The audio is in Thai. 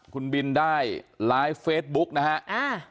คุณบินได้ไลฟ์เฟสบุ๊คนะครับ